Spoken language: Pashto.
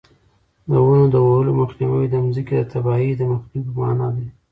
د ونو د وهلو مخنیوی د ځمکې د تباهۍ د مخنیوي په مانا دی.